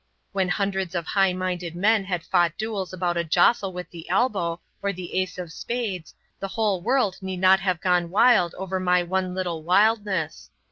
When hundreds of high minded men had fought duels about a jostle with the elbow or the ace of spades, the whole world need not have gone wild over my one little wildness.